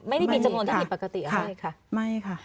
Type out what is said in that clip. ไม่ได้มีจำนวนที่มีปกติไหมคะไม่ค่ะ